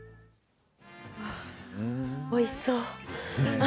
おいしそう。